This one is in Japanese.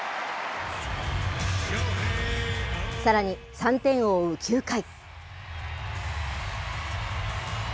さらに、３点を追う９回。